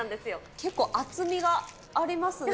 結構厚みがありますね。